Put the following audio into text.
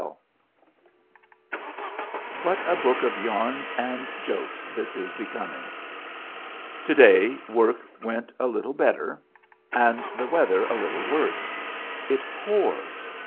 [Illustration: LONE MAN] What a book of yarns and jokes this is becoming! To day work went a little better and the weather a little worse. It pours.